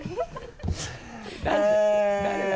誰だ？